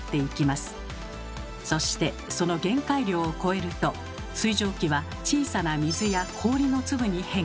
そしてその限界量を超えると水蒸気は小さな水や氷の粒に変化。